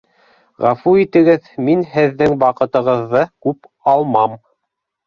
— Ғәфү итегеҙ, мин һеҙҙең ваҡытығыҙҙы күп алмам